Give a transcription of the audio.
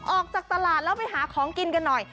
ออกจากตลาดแล้วไปหาของกินกันหน่อย